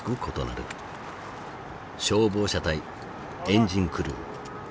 消防車隊エンジンクルー。